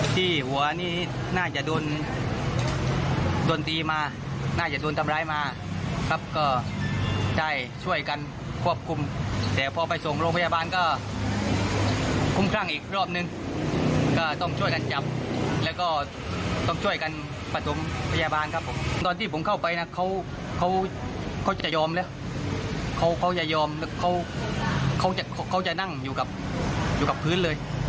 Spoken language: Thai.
ตอนที่ผมเข้าไปเขาจะยอมอยู่กับพื้นเลย